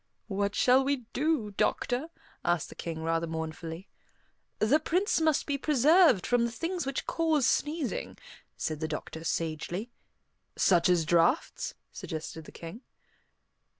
"What shall we do, doctor?" asked the King rather mournfully. "The Prince must be preserved from the things which cause sneezing," said the doctor sagely. "Such as draughts?" suggested the King.